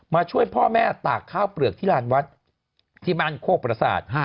มาช่วยพ่อแม่ตากข้าวเปลือกที่หลานวัดที่บ้านโคปรศาสตร์